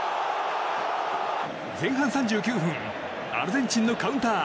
前半３９分アルゼンチンのカウンター。